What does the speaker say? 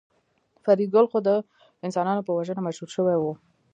فریدګل خو د انسانانو په وژنه مشهور شوی و